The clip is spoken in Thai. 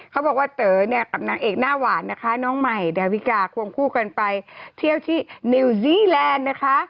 เขาบอกว่าเต๋อเนี่ยกับนางเอกหน้าหวานนะคะน้องใหม่ดาวิกาควงคู่กันไปเที่ยวที่นิวซีแลนด์นะคะ